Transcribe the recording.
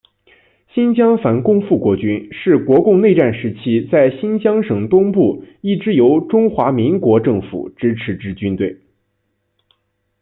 新疆反共复国军是国共内战期间在新疆省东部一支由中华民国政府支持之军队。